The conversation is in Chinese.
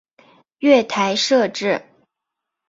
月台设置